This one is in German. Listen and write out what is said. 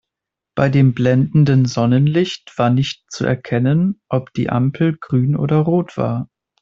Bei dem blendenden Sonnenlicht war nicht zu erkennen, ob die Ampel grün oder rot war.